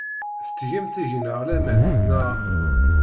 Tettgemt deg-neɣ laman, naɣ?